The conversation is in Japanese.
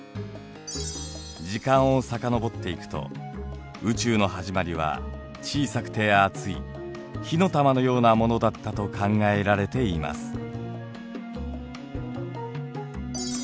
時間を遡っていくと宇宙のはじまりは小さくて熱い火の玉のようなものだったと考えられています。